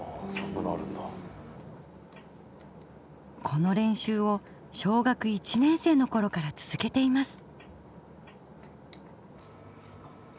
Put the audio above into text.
この練習を小学１年生のころから続けています。